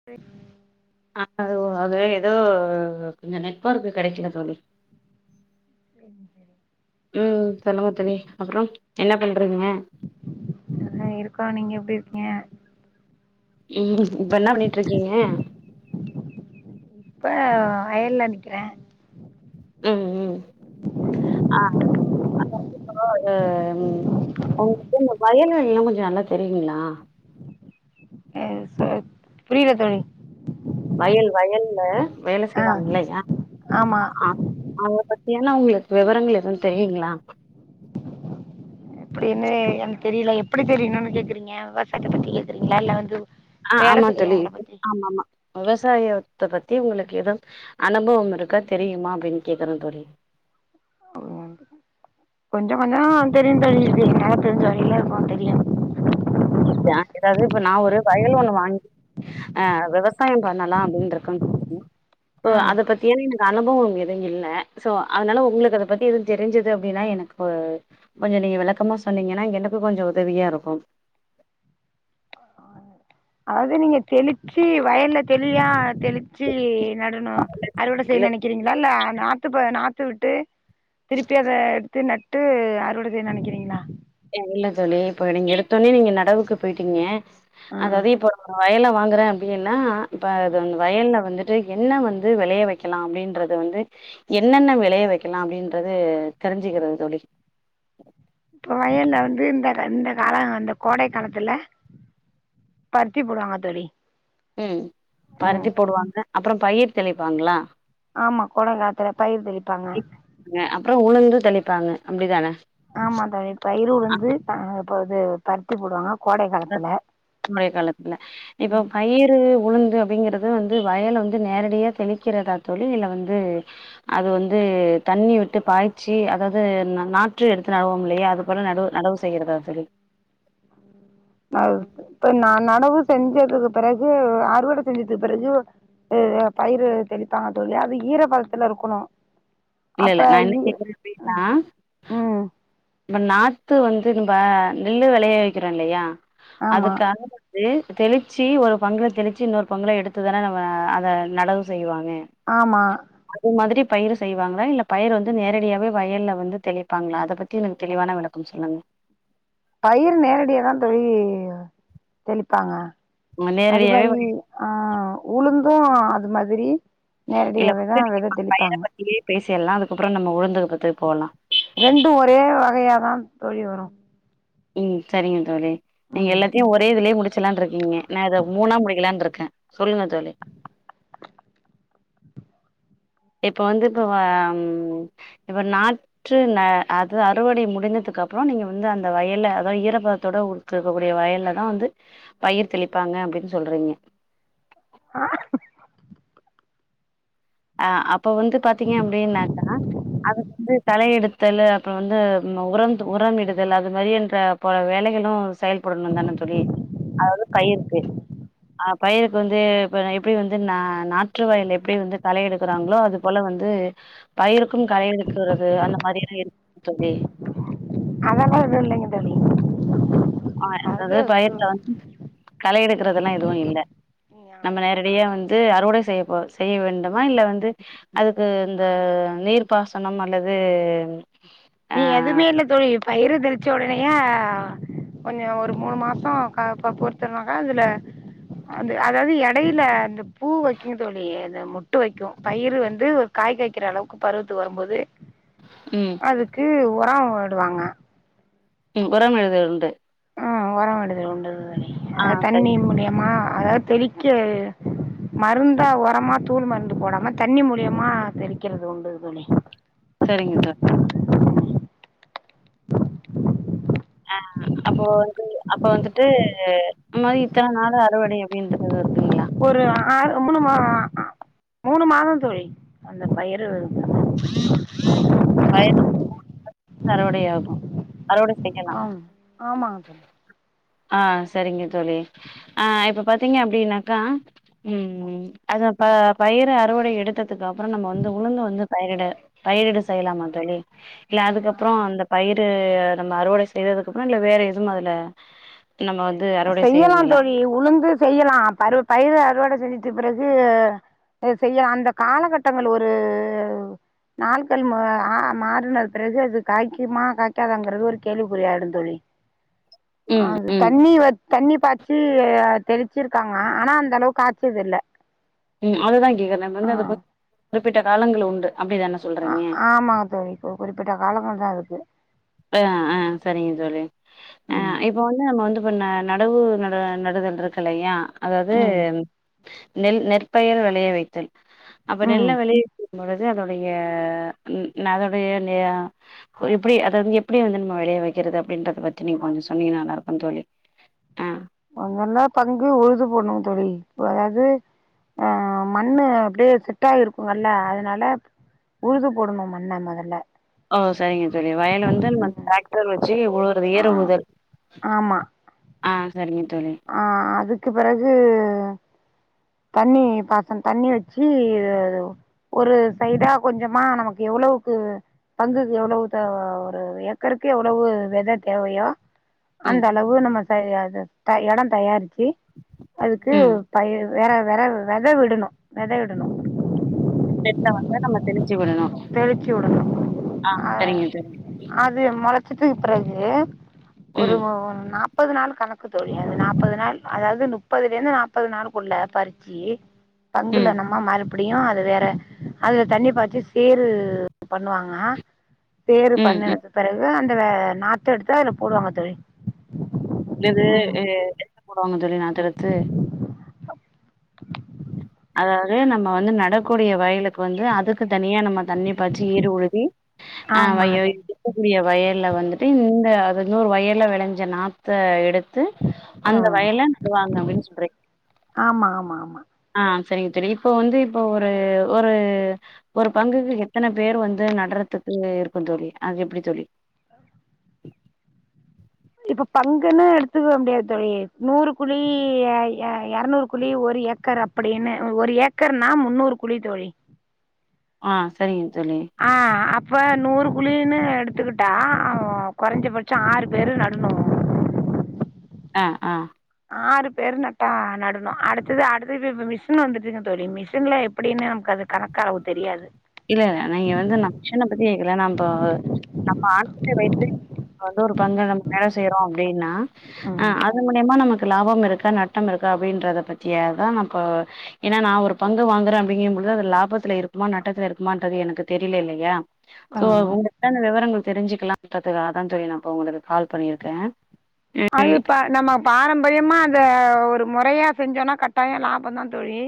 [inaudible] ஆ அது எதோ கொஞ்சம் நெட்ஒர்க் கிடைக்கல தௌழி [inaudible] ம் சொல்லுங்க தோழி அப்புறம் என்ன பண்றீங்க ஆ இருக்கோ நீங்க எப்படி இருக்கீங்க உம் இப்ப என்ன பண்ணிட்டு இருக்கீங்க இப்ப வயல்ல நிக்கிறேன் உம் உம் ஆ அ அது உங்களுக்கு இந்த வயல் வேலல்லா கொஞ்சோ நல்லா தெரியுங்களா அ சொ புரியல தோழி வயல் வயல்ல வேல ஆ செய்வாங்க இல்லையா ஆமா அத பத்தியானா உங்களுக்கு விவரங்கள் எதுவும் தெரியுங்களா எப்டின்னு எனக்கு தெரியல எப்படி தெரியும்னு கேக்குறீங்க விவசாயத்த பத்தி கேக்குறீங்களா இல்ல வந்து ஆ வேல ஆமா தோழி செய்யறவங்கள பத்தி ஆமா ஆமா விவசாயத்த பத்தி உங்களுக்கு எதுவும் அனுபவம் இருக்கா தெரியுமா அப்படின் கேக்குறேன் தோழி கொஞ்சோ கொஞ்சோ தெரியும் தோழி என்னால தெரிஞ்ச வழியில இருக்கும் தெரியும் ஏதாவது இப்ப நா ஒரு வயல் ஒண்ணு வாங்கி ஆ விவசாயம் பண்ணலாம் அப்படினு இருக்க தோழி ம் அத பத்தியான எனக்கு அனுபவம் எதுவும் இல்ல சோ அதனால உங்களுக்கு அத பத்தி எதுவும் தெரிஞ்சுது அப்படின்னா எனக்கு கொஞ்சோ நீங்க விளக்கமா சொன்னீங்கன்னா எனக்கும் கொஞ்சம் உதவியா இருக்கும் அது நீங்க தெளிச்சு வயல்ல தெளியா தெளி ச்சி நடணும் அறுவடை இல்ல செய்யனு நினைக்கிறீங்களா இல்ல நாத்துப்ப நாத்து விட்டு திருப்பி அத எடுத்து நட்டு அறுவடை செய்யனு நினைக்கிறீங்களா இல்ல தோழி இப்போ நீங்க எடுத்தொனே நீங்க நடவுக்கு போயிட்டீங்க அதாவது இப்போ வயல வாங்குறேன் அப்படின்னா இப்ப அது ம் வயல்ல வந்து ட்டு என்ன வந்து விளைய வைக்கலாம் அப்படின்றது வந்து என்னென்ன விளைய வைக்கலாம் அப்படின்றது தெரிஞ்சுக்குறே தோழி இப்ப வயல்ல வந்து இந்த ரெண்டு நாளா இந்த கோடை காலத்துல பருத்தி போடுவாங்க தோழி உம் ம் பருத்தி போடுவாங்க அப்புறம் பயிர் தெளிப்பாங்களா ஆமா கொடங் காலத்துல பயிர் தெளிப்பாங்க க அப்றோ உளுந்து தெளிப்பாங்க அப்டிதானே ஆமாந்த இது பயிரு உளுந்து ஆ இப்ப இது பருத்தி போடுவாங்க கோடை காலத்துல மழை காலத்துல இப்ப பயிரு உளுந்து அப்டிங்கறது வந்து வயல வந்து நேரடியா தெளிக்கிறதா தோழி இல்ல வந்து அது வந்து தண்ணி விட்டு பாய்ச்சி அதாவது நாற்று எடுத்து நடவோ இல்லையா அது போல நடவ் நடவ சொ செய்றதா தோழி அ இப்ப நா நடவு செஞ்சதுக்கு பிறகு ஆறுவடை செஞ்சதுக்கு பிறகு ஹ் ஹ் பயிறு தெளிப்பா ங்க தோழி அது ஈர பதத்துல இருக்கணு இல்ல அப்ப இல்ல நா என்ன ஈர கேக்கறேனு புரியுதா ம் நம்ம நாத்து வந்து நம்ப நெல்லு வெளைய வைக்கிறோ இல்லையா ஆமா அதுக்காக து தெளிச்சு ஒரு பங்குல தெளிச்சு இன்னொரு பங்குல எடுத்துதானே நம்ம அத நடவு செய்வாங்க ஆமா அது மாதிரி பயிறு செய்ய வாங்களா இல்ல பயறு வந்து நேரடியாவே வயல்ல வந்து தெளிப்பாங்ளா அத பத்தி எனக்கு தெளிவான விளக்கம் சொல்லுங்க பயிறு நேரடியா தா தோழி தெளிப்பாங்க அது நேரடியாவே மாரி ஆ உளுந்து அது மாதிரி நேரடியாவேதா வெத தெளிப்பாங்க இதே பேசிடலா அதுக்கப்ற நம்ம உளுந்துக்கு பத்துக்கு போலா ரெண்டு ஒரே வகையாக தா தோழி வரு ம் செரிங்க தோழி நீங்க ம் எல்லாத்தையு ஒரே இதுலயே முடிச் முச்சரலான்றிங்கிங்க நா இத மூணா முடிக்கெலாருக்கே சொல்லுங்க தோழி இப்ப வந்து இப்பவ இப்ப நாத் ற்று நா அது அறுவடை முடிந்ததுக்கு அப்றோ நீங்க வந்து அந்த வயல்ல அத ஈரப்பதத்தோட உ க்கக்கூடிய வயல்ல தா வந்து பயிர் தெளிப்பாங்க அப்டின்னு சொல்றீங்க ஆ ஆ அப்ப வந்து பாத்தீங்க அப்டீன்னாக்கா அது வந்து தலையெடுத்தலு அப்றோ வந்து உரம் உரம் இடுதல் அது மாதிரி இந்த போல வேலைகளு செயல்படணு தானே தோழி அதாவது பயிருக்கு ஆ பயிருக்கு வந்து இப்ப எப்டி வந்து நா நாற்று வயல் எப்டி வந்து களை எடுக்கறாங்ளோ அது போல வந்து பயிருக்கும் களைஎடுக்கறது அந்த மாதிரில்லா இருக்குங் தோழி அதல்லா எது இல்லைங்க தோழி ஆ அது அதது து பயர்ல வந் களை எடுக்கதெல்லா எதுவு இல்ல ம் நம்ம ஆமாங்க தோழி நேரடியா வந்து அறுவடை செய்யப் போ செய்ய வேண்டுமா இல்ல வந்து அதுக்கு இந்த நீர்ப்பாசனம் அல்லது ஆ நீ எதுமே இல்ல தோழி பயிரு தெளிச்ச உடனையா கொஞ்சோ ஒரு மூணு மாசோ க பொறுத்துனாக்கா அதுல அந்து அதாது எடையில இந்த பூ வைக்கிங்தோழி இல்லையே இது முட்டு வைக்கு பயிறு வந்து ஒரு காய் காய்க்கிற அளவுக்கு பருவத்துக் வரும்போது ம் க்கு ஒரோவுடுவாங்க ம் ஒரம் எழுதுதல் உண்டு ஆ ஒரம் விடுதல் உண்டு தோழி ஆ அ சரி தண்ணி மூலியமா அதாவது தெளிக்க மருந்தா ஒரமா தூளு மருந்து போடாம தண்ணி மூலியமா தெளிக்கிறது உண்டு தோழி செரிங்க தோ ஆ அப்போ அதுக்கு அப்ப வந்துட்டு அம்மாரி இத்தன நாளு அறுவடை அப்டின்றது இருக்குங்களா ஒரு ஆறு மூணு மா மூணு மாதந் தோழி அந்த பயறு இருந் பயறு [inaudible] அறுவடையாகு அறுவடை செய்யலா ஆம் ஆமாங்க தோழி ஆ செரிங்க தோழி ஆ இப்ப பாத்தீங்க அப்டின்னாக்கா ம் ம் அது ப பயிர அறுவடை எடுத்ததுக்கு அப்புறோ நம்ம வந்து உளுந்து வந்து பயிரிட பயிரிடஸ் செய்யலாமா தோழி இல்ல அதுக்கப்புறோ அந்த பயிறு நம்ம அறுவடை செய்ததுக்கப்புறோ இல்ல வேற எதுவு அதுல நம்ம வந் செய்யலாந் தோழி உளுந்து செய்யலா பரு பயிறு அறுவடை செஞ்சுட்டு பிறகு அ ஆ செய்ய அந்த காலகட்டங்கள் ஒரு நாள்கள் ம் ஆ மாறினது பெறகு அது காய்க்குமா காய்க்காதாங்கறது ஒரு கேள்விக்குறியாடுந் தோழி ம் அது ம் தண்ணி வச் தண்ணி பாய்ச்சு தெளிச்சிருக்காங்க ஆனா அந்த அளவுக்கு காச்சதில்ல ம் அதுதா கேக்கர வந்து அது குறிப்பிட்ட காலங்கள் உண்டு அப்பிடிதான ஆ ஆமா தோழி இப்போ குறிப்பிட்ட காலங்கள் தா அதுக்கு ஆ ஆ சரிங்க தோழி அ ம் இப்ப வந்து நம்ம வந்து பண்ண நடவு நடுத நடுதல்ன்ட்ருக்கு இல்லையா அதாவது ம் நெல் நெற்பயர் வெளைய வைத்தல் அப்ப நெல்ல ம் வெளைய வ பொழுது அதோடைய [unintelligible] எப்பிடி அத் அத வந்து எப்பிடி வந்து நம்ம வெளைய வைக்கிறது அப்படின்றத பத்தி நீ கொஞ்சோ சொன்னிங்கனா நல்லாருக்கு தோழி ஆ [unintelligible] உழுது போண்ணு தோழி இப்ப அதாவது ஆ மண்ணு அப்படியே செட்டாயிருக்குங்கல்ல அதனால உழுது போடணு மண்ண மொதல்ல ஓ சரிங்க சரி தோழி வயல வந்து நம்ம ம் டிராக்டர் வச்சு உழுறது ஆ ஏறு உழுதல் ஆமா ஆ செரிங்க தோழி ஆ அதுக்கு பெறகு தண்ணி பாசன்னு தண்ணி வச்சு ஒரு சய்டா கொஞ்சமா நமக்கு எவ்ளோக்கு பங்குக்கு எவ்ளோவு ஊத்த ஒரு ஏக்கருக்கு எவ்ளோவு வெத தேவையோ ம் அந்தளவு நம்ம அத ச எடோ தயாரிச்சு அதுக்கு ம் பய் வெற வெற வெத விடணு வெத விடணு வெதய வந்து நம்ம தெளிச்சு விடணு தெளித்து விடணும் ஆ அ செரிங்க தோழி அது முளச்சிட்டு பெறகு ஒரு ம் நாப்பது நாளு கணக்கு தோழி அது நாப்பது நாள் அதாவது முப்பதுலருந்து நாப்பது நாளுக்குள்ள பறிச்சு பங்குல ம் நம்ம மறுபடியு அது வேற அதுல தண்ணி பாய்ச்சி சேரு பண்ணுவாங்க சேரு ம் ம் பண்ணினதுக்கு பெறகு அந்த நாத்தெடுத்து அதுல போடுவாங்க தோழி என்னது ம் அ என்ன போடுவாங்க தோழி நாத்தெடுத்து அதாவது நம்ம வந்து நடக்கூடிய வயலுக்கு வந்து அதுக்கு தனியா நம்ம தண்ணி பாச்சு ஏறு உழுதி ஆ [unintelligible] ஆமாம் தோழி இருக்கக்கூடிய வயல்ல வந்துட்டு இந்த அது நூறு வயல்ல விளைஞ்ச நாத்த எடுத் த்து அந்த வயல்ல நடுவாங்க அப்டின்னு சொல்றே ஆமா ஆமா ஆமா ஆ செரிங்க செரிங்க இப்ப வந்து இப்போ ஒரு ஒரு ஒரு பங்குக்கு எத்தன பேர் வந்து நடறதுக்கு இருக்கோ தோழி அது எப்டி தோழி இப்போ பங்குன்னு எடுத்துக்க முடியாது தோழி நூறு குழி எ எ எரநூறு குழி ஒரு ஏக்கர் அப் படின்னு ஒரு ஏக்கர்னா முன்னூறு குழி தோழி ஆ செரிங்க தோழி அப்போ நூறு குழினு எடுத்துக்கிட்டா அ கொறஞ்சபட்சோ ஆறு பேரு நடணோ ஆ ஆ ஆறு பேரு நட்டா நடணோ அடுத்தது அடுத்த இப்ப இப்ப மிஷினு வந்துச்சுங்க தோழி மிஷின்ல எப்புடின்னு நமக்கு அது கணக்களவு தெரியாது இல்ல நீங்க வந்து ந மிஷின பத்தி கேக்கல நம்போ நம்ம [unintelligible] வந்து ஒரு பங்கு நம்ம வேல செய்யறோ அப்டீன்னா அ ம் அது மூலயமா நமக்கு லாபம் இருக்கா நட்டம் இருக்கா அப்டின்றத பத்தியேதா நா இப்போ ஏன்னா நா ஒரு பங்கு வாங்குற அப்டிங்கு பொழுது அது லாபத்துல இருக்குமா நட்டத்துல இருக் மான்றது எனக்கு தெரியுல இல்லையா ஆ சோ உங்கள்ட விவரங்கள தெரிஞ்சுக்கலா பாத்துக்க அதா தோழி நா இப்ப உங்குளுக்கு கால் பண்ணியிருக்கே அது ப நம்ம பாரம்பரியமா அத ஒரு மொறையா செஞ்சோன்னா கட்டாயோ லாபோந்தா தோழி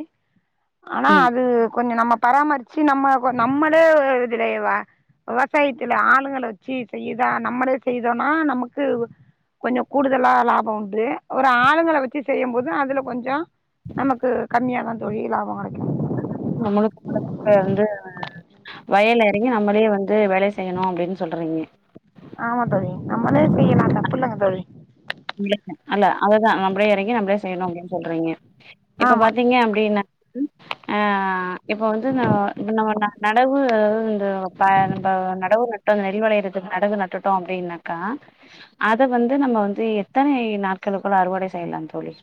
ஆனா ம் அது கொஞ்சோ நம்ம பராமரிச்சு நம்ம நம்மளே இது லேவா விவசாயுத்துல ஆளுங்கள வெச்சு செய்யுதா நம்மளே செய்தோனா நமக்கு கொஞ்சோ கூடுதலா லாபம் உண்டு ஒரு ஆளுங்கள வெச்சு செய்யும்போது அதுல கொஞ்சோ நமக்கு கம்மியாதா தோழி லாபோ கெடைக்கு நம்முளுக் முழுப்பயிர் வந்து வயல்ல எறங்கி நம்மளே வந்து வேலை செய்யனோ அப்டீனு சொல்றீங்க ஆமா தோழி நம்மளே செய்யலா தப்பில்லங்க தோழி அல்ல அதுதா நம்மளே எறங்கி நம்மளே செய்யணோ அப்டீனு சொல்றீங்க இப்ப ஆமா பாத்தீங்க அப்டின்னா [unintelligible] ஆ இப்போ வந்து நம்ம நம்ம நடவு இந்த ப இந்த நடவு நட் இப்ப இந்த நெல் வெளயிறதுக்கு நடவு நட்டுட்டோ அப்டீன்னாக்கா அத வந்து நம்ம வந்து எத்தனை நாட்களுக்குள்ள அறுவடை செய்யலா தோழி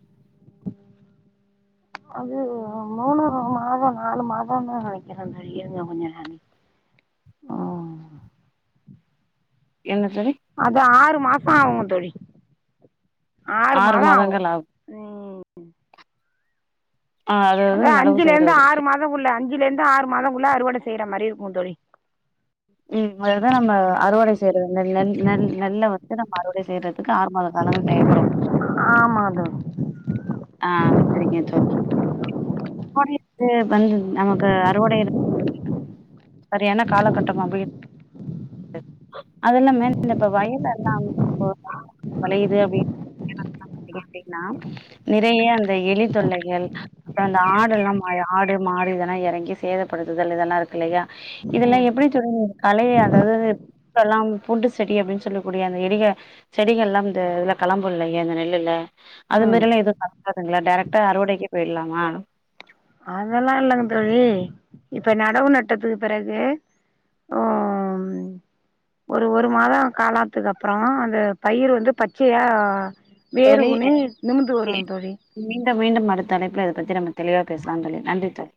அது மூணு மாதோ நாலு மாதோனு நெனைக்குறே தோழி இருங்க கொஞ்சோ நாழி என்ன தோழி அது ஆறு மாசோ ஆவுங்க தோழி ஆறு மாதோ ஆவோ மாதங்கள் ஆகும் ம் ஆ அதா அதாவது நடவு அஞ்சுல இருந்து செய்றதற்கு ஆறு மாதோ குள்ள அஞ்சுல இருந்து ஆறு மாதோ குள்ள அறுவட செய்யுற மாதிரி இருக்கோ தோழி ம் அதுதா நம்ம அறுவடை செய்யறது நல் நல் நெல்ல வெச்சு நம்ம அறுவடை செய்யறதுக்கு ஆறு மாத காலங்கள் தேவைப்படும் ஆமாங்க தோழி ஆ செரிங்க தோழி அறுவடைக்கு வந்து நமக்கு அறுவடை சரியான காலகட்டமா [inaudible] அதெல்லாமே இப்ப வயல் எல்லா இப்ப ஒலையுது அப்டின்னு [inaudible] கேட்டீங்ன்னா நிறைய அந்த எலி தொல்லைகள் அப்றோ அந்த ஆடெல்லா மா ஆடு மாடு இதெல்லா எறங்கி சேதப்படுத்துதல் இதெல்லா இருக்குல்லயா இதெல்லா ம் எப்டி தோழி நீங்க கலய அதாவது வரப்பெல்லா பூண்டு செடி அப்டீன்னு சொல்லக்கூடிய அந்த எடிக செடிகள்லா இந்த இதுல கெளம்புல்லையே இந்த நெல்லுல அது ம் மாரில்லா எது [unintelligible] டேரெக்டா அறுவடைக்கே போயிர்லாமா அதெல்லா இல்லங்க தோழி இப்ப நடவு நட்டத்துக்கு பிறகு ம் ஒரு ஒரு மாத காலாத்துக்கு அப்றோ அந்த பயிர் வந்து பச்சையா வேறு தோழி ஊனி நிமிந்து வரு தோழி மீண்டும் மீண்டும் அடுத்தழைப்புல இத பத்தி நம்ம தெளிவா பேசலாம் தோழி நன்றி தோழி